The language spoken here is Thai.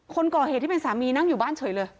คนก่อเหตุที่เป็นสามีนั่งอยู่บ้านเฉยเลย